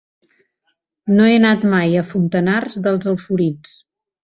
No he anat mai a Fontanars dels Alforins.